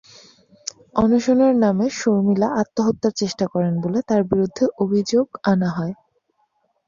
অনশনের নামে শর্মিলা আত্মহত্যার চেষ্টা করেন বলে তাঁর বিরুদ্ধে অভিযোগ আনা হয়।